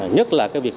nhất là việc